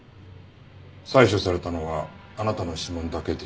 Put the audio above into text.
採取されたのはあなたの指紋だけでした。